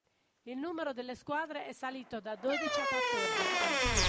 Il numero delle squadre è salito da dodici a quattordici.